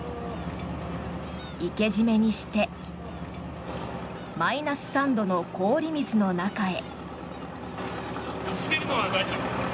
生け締めにしてマイナス３度の氷水の中へ。